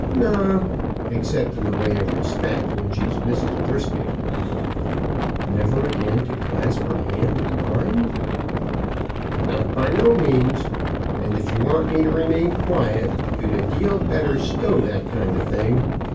"Not, except in the way of respect, when she's Mrs. Brisket." "Never again to clasp her hand in mine?" "Not by no means. And if you want me to remain quiet, you'd a deal better stow that kind of thing.